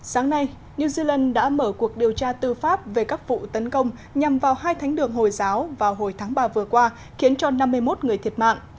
sáng nay new zealand đã mở cuộc điều tra tư pháp về các vụ tấn công nhằm vào hai thánh đường hồi giáo vào hồi tháng ba vừa qua khiến cho năm mươi một người thiệt mạng